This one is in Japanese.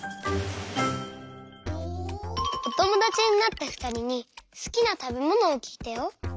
おともだちになったふたりにすきなたべものをきいたよ。